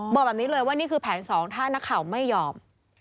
บอกแบบนี้เลยว่านี่คือแผนสองถ้านักข่าวไม่ยอม